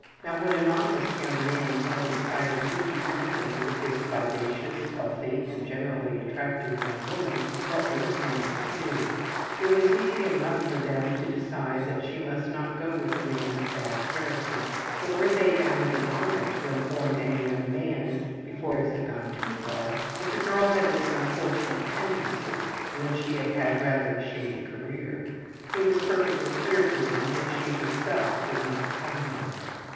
Now, when an honest young man felt inspired to keep company with this vivacious, healthy, and generally attractive young woman, what were the parents to do? It was easy enough for them to decide that she must not go with a man of bad character, but were they bound in honor to inform any young man, before affairs had gone too far, that the girl had this unfortunate tendency and that she had had rather a shady career? It was perfectly clear to them that she herself would not tell him.